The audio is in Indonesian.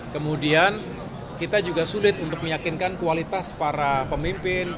kemudian kita juga sulit untuk meyakinkan kualitas para pemimpin